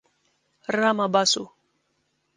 Rama Basu.